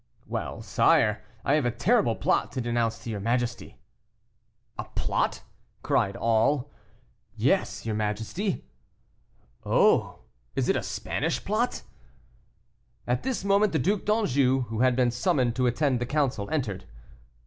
"Well, sire, I have a terrible plot to denounce to your majesty." "A plot!" cried all. "Yes, your majesty." "Oh, is it a Spanish plot?" At this moment the Duc d'Anjou, who had been summoned to attend the council, entered.